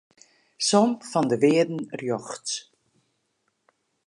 Som fan de wearden rjochts.